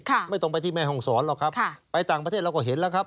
ไม่ต้องไปที่แม่ห้องศรหรอกครับค่ะไปต่างประเทศเราก็เห็นแล้วครับ